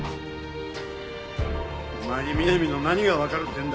お前に美波の何がわかるってんだよ。